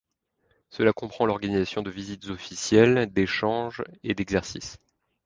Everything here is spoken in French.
Cela comprend l'organisation de visites officielles, d’échanges et d’exercices.